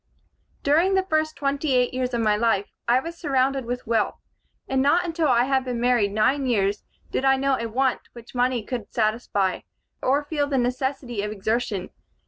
"During the first twenty eight years of my life, I was surrounded with wealth; and not until I had been married nine years did I know a want which money could satisfy, or feel the necessity of exertion.